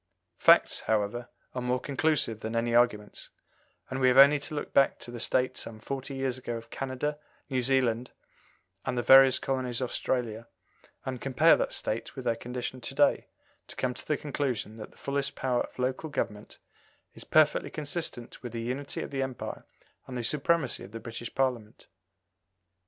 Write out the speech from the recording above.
Facts, however, are more conclusive than any arguments; and we have only to look back to the state some forty years ago of Canada, New Zealand, and the various colonies of Australia, and compare that state with their condition to day, to come to the conclusion that the fullest power of local government is perfectly consistent with the unity of the Empire and the supremacy of the British Parliament.